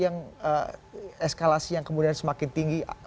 bisa meredam situasi yang eskalasi yang kemudian semakin tinggi